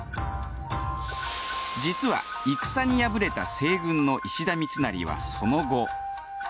実は戦に敗れた西軍の石田三成はその後。